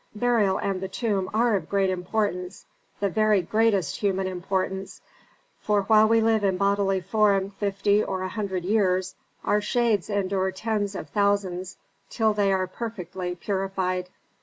"Burial and the tomb are of great importance the very greatest human importance. For while we live in bodily form fifty or a hundred years, our shades endure tens of thousands till they are perfectly purified.